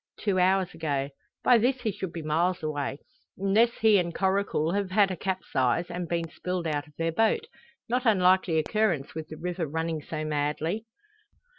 "Two hours ago. By this he should be miles away; unless he and Coracle have had a capsize, and been spilled out of their boat. No unlikely occurrence with the river running so madly."